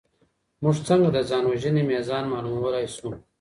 موږ څنګه د ځان وژنې ميزان معلومولی سو؟